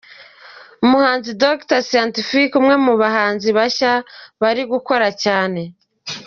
Umuhanzi Dr Scientific umwe mu bahanzi bashya bari gukora cyane.